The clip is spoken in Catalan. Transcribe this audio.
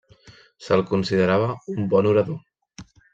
Se'l considerava un bon orador.